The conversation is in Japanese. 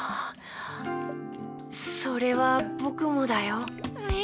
それはぼくもだよ。